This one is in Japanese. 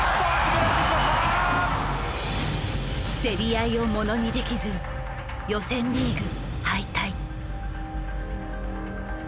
競り合いをものにできず予選リーグ敗退。